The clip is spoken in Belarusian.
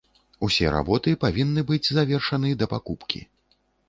Усе работы павінны быць завершаны да пакупкі.